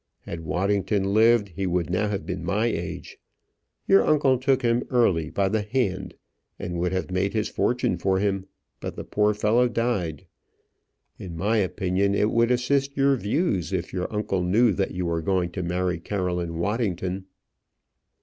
Had Waddington lived, he would now have been my age. Your uncle took him early by the hand, and would have made his fortune for him, but the poor fellow died. In my opinion, it would assist your views if your uncle knew that you were going to marry Caroline Waddington."